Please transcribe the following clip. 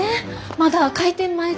まだ開店前で。